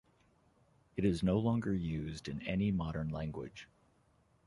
It is no longer used in any modern language.